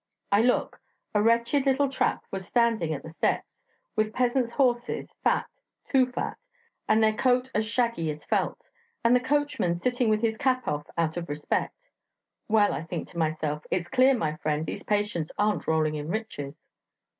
I look; a wretched little trap was standing at the steps, with peasant's horses, fat too fat and their coat as shaggy as felt; and the coachman sitting with his cap off out of respect. Well, I think to myself, 'It's clear, my friend, these patients aren't rolling in riches.'...